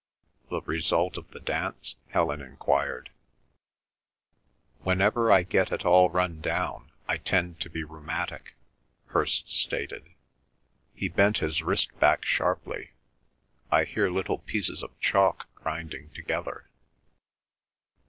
"The result of the dance?" Helen enquired. "Whenever I get at all run down I tend to be rheumatic," Hirst stated. He bent his wrist back sharply. "I hear little pieces of chalk grinding together!"